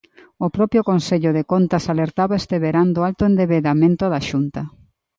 O propio Consello de Contas alertaba este verán do alto endebedamento da Xunta.